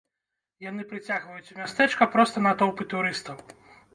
Яны прыцягваюць у мястэчка проста натоўпы турыстаў.